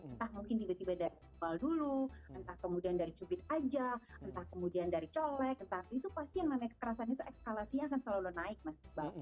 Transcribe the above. entah mungkin tiba tiba dari kebal dulu entah kemudian dari cupit aja entah kemudian dari colek entah itu pasti yang nambah kekerasan itu ekskalasinya akan selalu naik mas iba